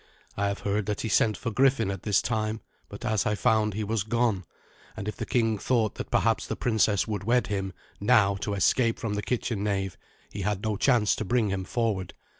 I have heard that he sent for Griffin at this time; but, as I found, he was gone; and if the king thought that perhaps the princess would wed him now to escape from the kitchen knave, he had no chance to bring him forward.